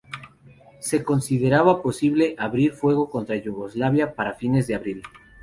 Se consideraba posible abrir fuego contra Yugoslavia para fines de abril.